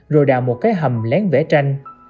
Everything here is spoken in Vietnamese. rồi đào một cái hầm lén vẽ tranh